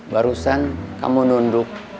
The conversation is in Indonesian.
barusan kamu nunduk